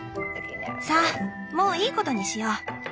さあもういいことにしよう。